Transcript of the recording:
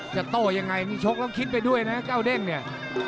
โต้ยังไงนี่ชกแล้วคิดไปด้วยนะเจ้าเด้งเนี่ย